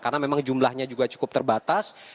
karena memang jumlahnya juga cukup terbatas